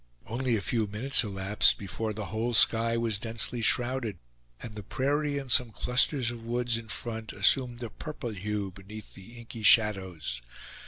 Only a few minutes elapsed before the whole sky was densely shrouded, and the prairie and some clusters of woods in front assumed a purple hue beneath the inky shadows.